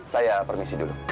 saya permisi dulu